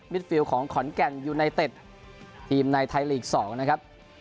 ฟิลของขอนแก่นยูไนเต็ดทีมในไทยลีก๒นะครับ